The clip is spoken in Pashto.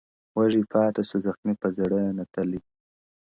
وږی پاته سو زخمي په زړه نتلی.!